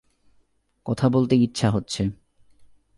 কথা বলতে ইচ্ছা হচ্ছে।